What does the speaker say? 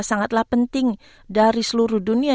sangatlah penting dari seluruh dunia